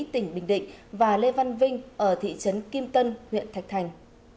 tỉnh bình định và lê văn vinh ở thị trấn kim tân huyện thạch thành